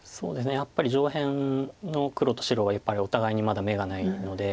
やっぱり上辺の黒と白はお互いにまだ眼がないので。